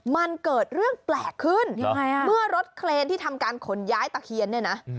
มันเกิดเรื่องแปลกขึ้นเมื่อรถเคลนที่ทำการขนย้ายตะเคียนเนี่ยนะ